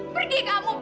pergi kamu pergi